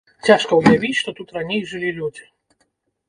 Цяжка ўявіць, што тут раней жылі людзі.